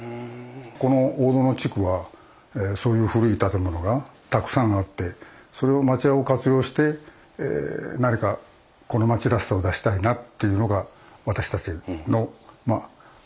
この大殿地区はそういう古い建物がたくさんあってそれを町家を活用して何かこの町らしさを出したいなというのが私たちの務めかなと思ってます。